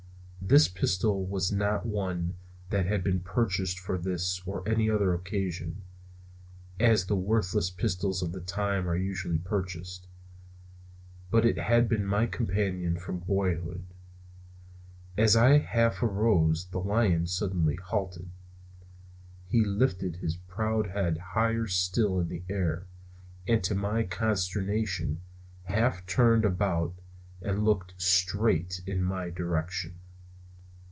This pistol was not one that had been purchased for this or any other occasion, as the worthless pistols of the time are usually purchased, but it had been my companion from boyhood. As I half arose the lion suddenly halted. He lifted his proud head higher still in the air, and to my consternation half turned about and looked straight in my direction.